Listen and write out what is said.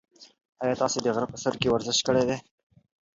ایا تاسي د غره په سر کې ورزش کړی دی؟